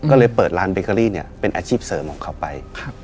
ก็เลยเปิดร้านเบเกอรี่เนี่ยเป็นอาชีพเสริมของเขาไป